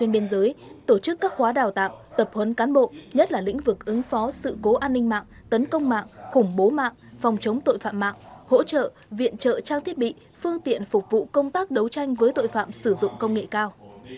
vực ứng phó sự cố an ninh mạng tấn công mạng khủng bố mạng phòng chống tội phạm mạng hỗ trợ viện trợ trang thiết bị phương tiện phục vụ công tác đấu tranh với tội phạm sử dụng công nghệ cao